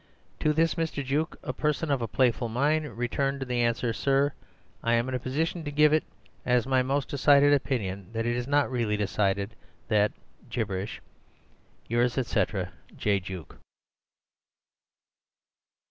To this Mr. Juke, a person of a playful mind, returned the answer: 'Sir, I am in a position to give it as my most decided opinion that it is not really decided that 00000073bb!!!!!xy. Yrs., etc., 'J. Juke.